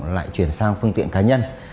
lại chuyển sang phương tiện cá nhân